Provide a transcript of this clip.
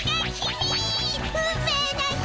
運命の人！